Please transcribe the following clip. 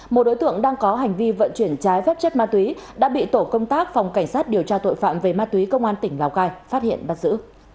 một đối tượng đang có hành vi vận chuyển trái phép chất ma túy đã bị tổ công tác phòng cảnh sát điều tra tội phạm về ma túy công an tỉnh lào cai phát hiện bắt giữ